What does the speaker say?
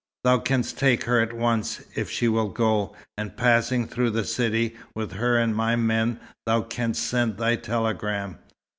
Thou canst take her at once, if she will go; and passing through the city, with her and my men, thou canst send thy telegram.